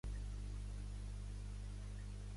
Pertany al moviment independentista l'Estella?